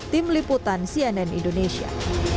tim liputan cnn indonesia